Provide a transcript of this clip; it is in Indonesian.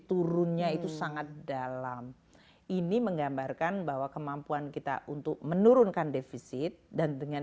turunnya itu sangat dalam ini menggambarkan bahwa kemampuan kita untuk menurunkan defisit dan dengan